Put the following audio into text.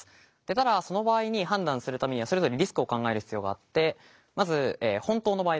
ただその場合に判断するためにはそれぞれリスクを考える必要があってまず本当の場合ですね